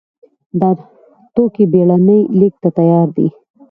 دا توکي بېړنۍ لېږد ته تیار دي.